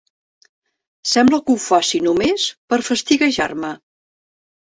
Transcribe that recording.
Sembla que ho faci només per fastiguejar-me.